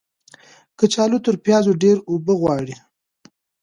کچالو تر پیازو ډیرې اوبه غواړي.